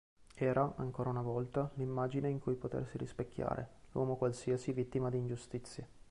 Era, ancora una volta, l'immagine in cui potersi rispecchiare, l'uomo qualsiasi vittima di ingiustizie.